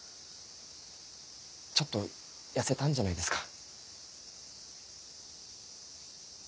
ちょっと痩せたんじゃないですか？